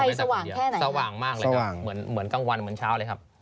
ไฟสว่างแค่ไหนครับสว่างมากเลยครับเหมือนเหมือนกลางวันเหมือนเช้าเลยครับ